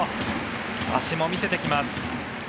足も見せてきます。